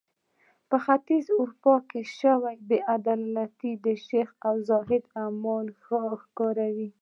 په ختیځه اروپا کې شوې بې عدالتۍ شیخ او زاهد عملونه ښکاري.